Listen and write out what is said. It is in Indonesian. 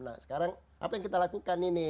nah sekarang apa yang kita lakukan ini